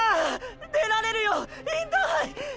出られるよインターハイ！